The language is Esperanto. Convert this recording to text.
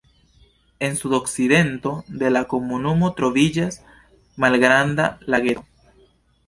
En sudokcidento de la komunumo troviĝas malgranda lageto.